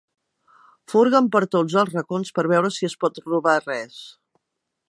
Furguen per tots els racons per veure si es pot robar res.